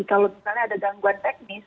kalau misalnya ada gangguan teknis